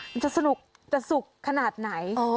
มันจะสนุกจะสุกขนาดไหน